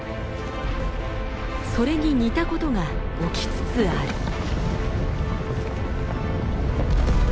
それに似たことが起きつつある。